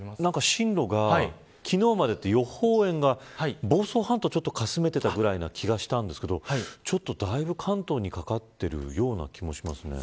進路が、昨日までだと予報円が房総半島をかすめていたぐらいの気がしたんですけどだいぶ関東にかかっているような気もしますね。